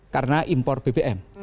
karena impor bbm